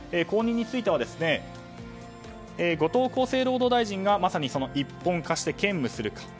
後任については後藤厚生労働大臣がまさに一本化して兼務するか。